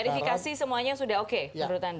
verifikasi semuanya sudah oke menurut anda